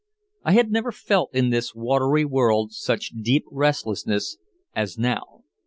I had never felt in this watery world such deep restlessness as now.